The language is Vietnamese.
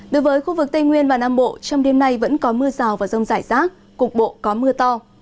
đối với khu vực tây nguyên và nam bộ trong đêm nay vẫn có mưa rào và rông rải rác cục bộ có mưa to